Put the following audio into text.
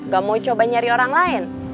gak mau coba nyari orang lain